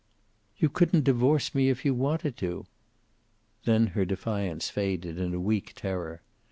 "You couldn't divorce me if you wanted to." Then her defiance faded in a weak terror.